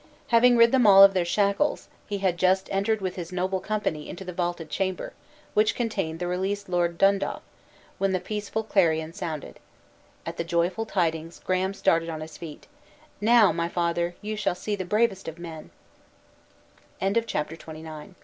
Having rid them of their shackles, he had just entered with his noble company into the vaulted chamber, which contained the released Lord Dundaff, when the peaceful clarion sounded. At the joyful tidings, Graham started on his feet: "Now, my father, you shall see the bravest of men!" Chapter XXX. The Barns of Ayr.